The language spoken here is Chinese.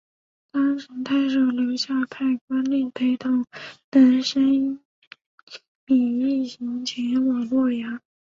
当时太守刘夏派官吏陪同难升米一行前往洛阳。